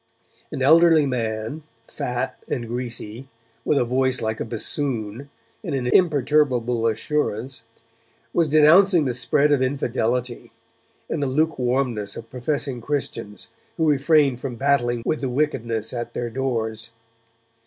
An elderly man, fat and greasy, with a voice like a bassoon, and an imperturbable assurance, was denouncing the spread of infidelity, and the lukewarmness of professing Christians, who refrained from battling with the wickedness at their doors.